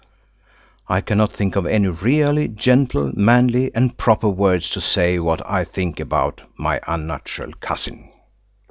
I cannot think of any really gentle, manly, and proper words to say what I think about. my unnatural cousin.